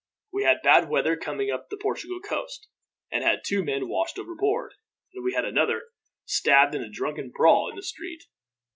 We had bad weather coming up the Portugal Coast, and had two men washed overboard; and we had another stabbed in a drunken brawl in the street.